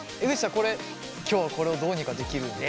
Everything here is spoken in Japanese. これ今日はこれをどうにかできるんですか？